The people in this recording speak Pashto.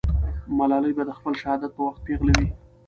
ملالۍ به د خپل شهادت په وخت پېغله وي.